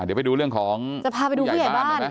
เดี๋ยวไปดูเรื่องของผู้ใหญ่บ้าน